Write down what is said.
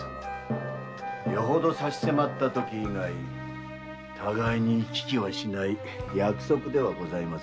よほど差し迫ったとき以外互いに行き来はしない約束ではございませんか。